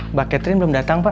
mbak catherine belum datang pak